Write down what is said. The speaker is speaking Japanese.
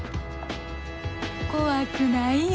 怖くないよ